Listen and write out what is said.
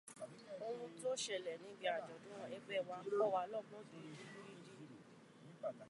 Ohun tó ṣẹlẹ̀ níbi àjọ̀dún ẹgbẹ́ wa kọ́wa lọ́gbọ́n gidigidi.